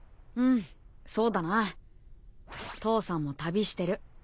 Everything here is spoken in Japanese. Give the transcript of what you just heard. うんそうだな父さんも旅してる。